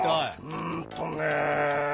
うんとね